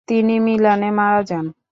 তিনি মিলানে মারা যান।